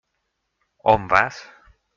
On vas?